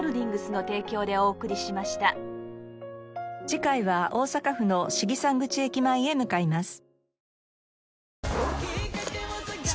次回は大阪府の信貴山口駅前へ向かいます。